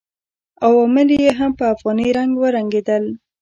عوامل یې هم په افغاني رنګ ورنګېدل.